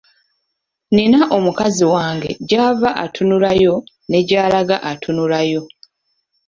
Nnina mukazi wange gy'ava atunulayo ne gy'alaga atunulayo.